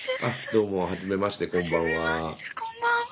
どうもはじめましてこんばんは。